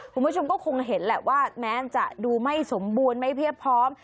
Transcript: คุณผู้ชมก็คงเห็นแหละว่าแม้จะดูไม่สมบูรณ์ไม่เพียบพร้อม